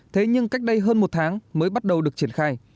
thế nhưng cách đây hơn một tháng mới bắt đầu được triển khai